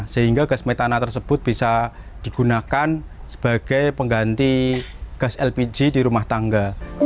sehingga gas metana tersebut bisa digunakan sebagai pengganti gas lpg di rumah tangga